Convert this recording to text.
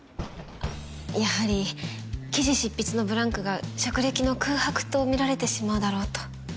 あっやはり記事執筆のブランクが職歴の空白と見られてしまうだろうと。